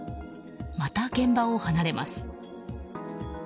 また現場を離れます。